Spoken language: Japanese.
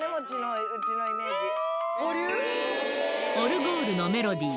オルゴールのメロディー。